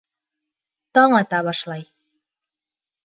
Таң ата башлай.